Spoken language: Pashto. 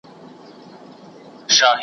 زه جلوه د کردګار یم زه قاتله د شیطان یم .